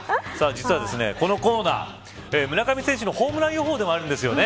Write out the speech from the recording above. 実はこのコーナーは村上選手のホームラン予報でもあるんです。